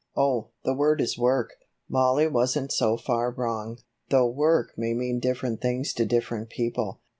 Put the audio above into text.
"Oh, the word is 'work'; Mollie wasn't so far wrong, though work may mean different things to different people.